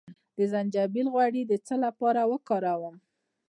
د زنجبیل غوړي د څه لپاره وکاروم؟